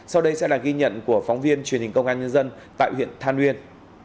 sau đây sẽ là ghi nhận của phóng viên truyền hình công an nhân dân tại huyện than uyên